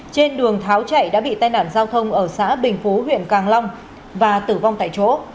trên đường tháo chạy đã bị tai nạn giao thông ở xã bình phú huyện càng long và tử vong tại chỗ